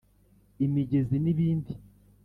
imigezi n’ibindi